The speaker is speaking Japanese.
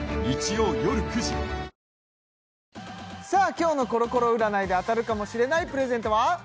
今日のコロコロ占いで当たるかもしれないプレゼントは？